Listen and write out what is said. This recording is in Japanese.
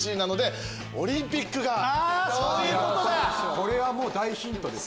これはもう大ヒントです。